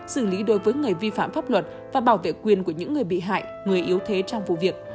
xử lý đối với người vi phạm pháp luật và bảo vệ quyền của những người bị hại người yếu thế trong vụ việc